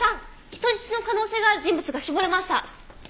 人質の可能性がある人物が絞れました。